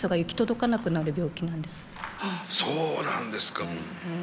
ああそうなんですか。